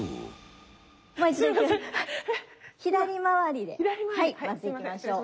左回りで回っていきましょう。